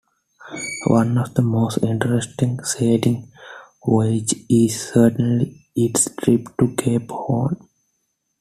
One of the most interesting sailing voyages is certainly its trip to Cape Horn.